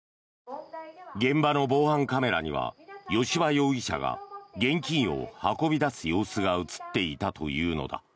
現場の防犯カメラには吉羽容疑者が現金を運び出す様子が映っていたというのだ。